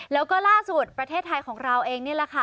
แล้วก็ล่าสุดประเทศไทยของเราเองนี่แหละค่ะ